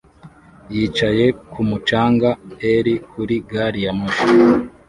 Yicaye kumu canga er kuri gari ya moshi